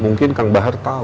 mungkin kang bahar tahu